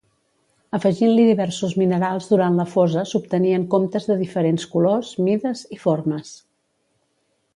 Afegint-li diversos minerals durant la fosa s'obtenien comptes de diferents colors, mides i formes.